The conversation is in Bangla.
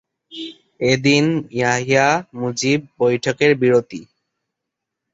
এদিন ইয়াহিয়া-মুজিব বৈঠকের বিরতি।